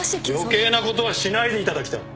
余計なことはしないでいただきたい！